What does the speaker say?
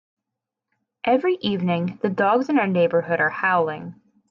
Every evening, the dogs in our neighbourhood are howling.